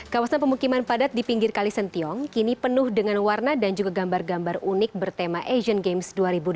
kawasan pemukiman padat di pinggir kalisentiong kini penuh dengan warna dan juga gambar gambar unik bertema asian games dua ribu delapan belas